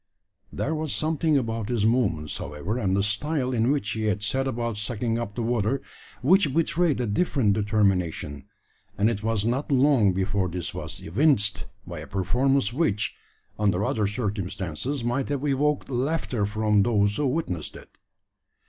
There was something about his movements, however, and the style in which he had set about sucking up the water, which betrayed a different determination; and it was not long before this was evinced by a performance which, under other circumstances, might have evoked laughter from those who witnessed it.